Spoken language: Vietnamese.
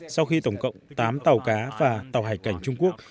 sau khi tổng cộng tám tàu cá và tàu hải cảnh trung quốc